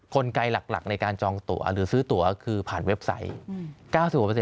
กลไกหลักในการจองตัวหรือซื้อตัวคือผ่านเว็บไซต์๙๐